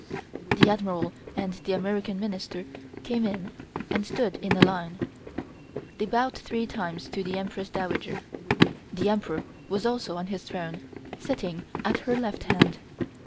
The Admiral and the American Minister came in, and stood in a line. They bowed three times to the Empress Dowager. The Emperor was also on his throne, sitting at her left hand.